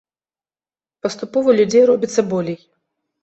Паступова людзей робіцца болей.